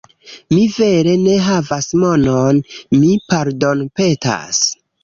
Mi vere ne havas monon, mi pardonpetas